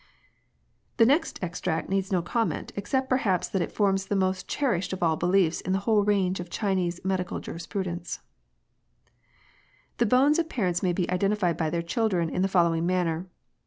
The next extract needs no comment, except perhaps that it forms the most cherished of all beliefs in the whole range of Chinese medical jurisprudence :—*' The bones of parents may be identified by their children in the following manner.